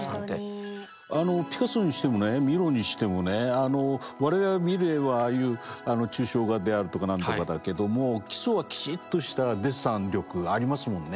あのピカソにしてもミロにしても我々が見る絵はああいう抽象画であるとか何とかだけども基礎はきちっとしたデッサン力ありますもんね。